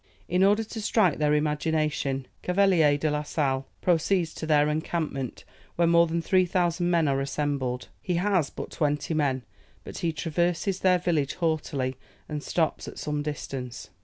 In order to strike their imagination, Cavelier de la Sale proceeds to their encampment, where more than 3000 men are assembled. He has but twenty men, but he traverses their village haughtily, and stops at some distance.